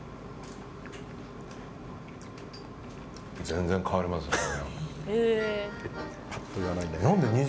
全然変わりますね。